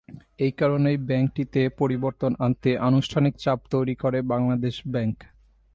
এ কারণেই ব্যাংকটিতে পরিবর্তন আনতে অনানুষ্ঠানিক চাপ তৈরি করে বাংলাদেশ ব্যাংক।